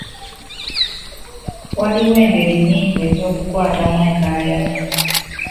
Waliwo engeri nnyingi ez'okukwatamu enkaayana.